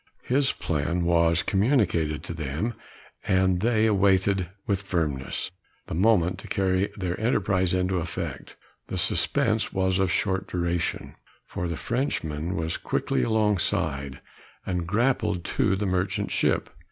His plan was communicated to them, and they awaited with firmness, the moment to carry their enterprise into effect. The suspense was of short duration, for the Frenchman was quickly alongside, and grappled to the merchant ship.